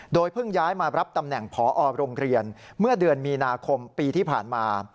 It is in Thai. โดยเพิ่งย้ายมารับตำแหน่งพอโรงเรียนเมื่อเดือนมีนาคมปีที่ผ่านมา